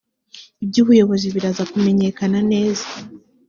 iby ubuyobozi biraza kumenyekana neza